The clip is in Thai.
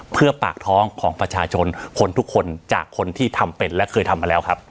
เพื่อปากท้องของประชาชนคนทุกคนจากคนที่ทำเป็นและเคยทำมาแล้วครับ